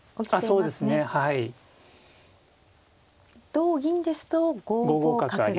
同銀ですと５五角が。